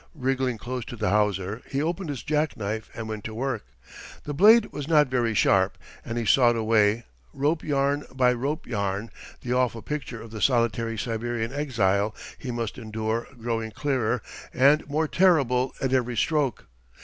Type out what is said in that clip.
Wriggling close to the hawser, he opened his jack knife and went to work. The blade was not very sharp, and he sawed away, rope yarn by rope yarn, the awful picture of the solitary Siberian exile he must endure growing clearer and more terrible at every stroke.